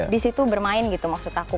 di situ bermain gitu maksud aku